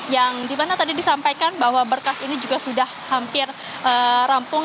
yang dimana tadi disampaikan bahwa berkas ini juga sudah hampir rampung